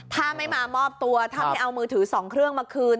ถ้าไม่มามอบตัวถ้าไม่เอามือถือ๒เครื่องมาคืน